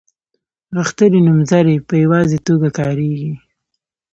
غښتلي نومځري په یوازې توګه کاریږي.